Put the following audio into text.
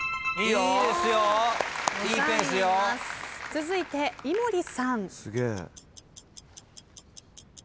続いて井森さん。